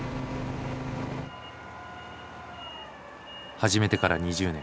始めてから２０年。